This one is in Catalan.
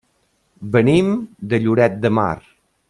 Venim de Lloret de Mar.